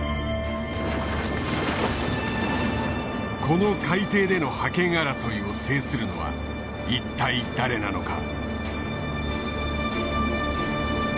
この海底での覇権争いを制するのは一体誰なのか？